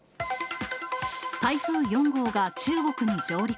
台風４号が中国に上陸。